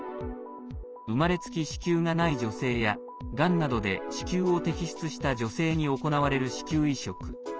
生まれつき子宮がない女性やがんなどで子宮を摘出した女性に行われる子宮移植。